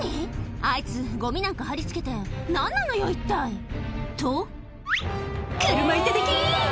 「あいつゴミなんか貼り付けて何なのよ一体」と「車頂き！」